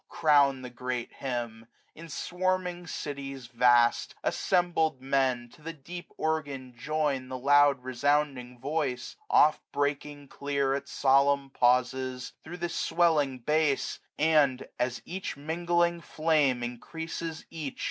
Crown the great hymn! in swarming cities vast. Assembled men, to the deep organ join The long resounding voice, oft breaking clear, 85 At solemn pauses, through the swelling bass ; And, as each mingling flame increases each.